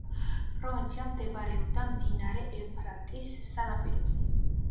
პროვინცია მდებარეობდა მდინარე ევფრატის სანაპიროზე.